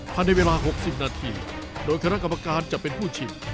ภายในเวลา๖๐นาทีโดยคณะกรรมการจะเป็นผู้ฉีด